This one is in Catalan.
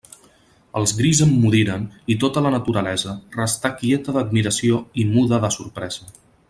Els grills emmudiren i tota la naturalesa restà quieta d'admiració i muda de sorpresa.